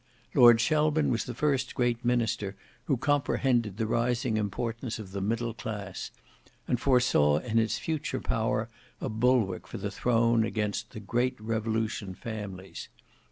Lord Shelburne was the first great minister who comprehended the rising importance of the middle class; and foresaw in its future power a bulwark for the throne against "the Great Revolution families."